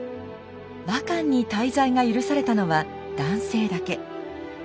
倭館に滞在が許されたのは男性だけ。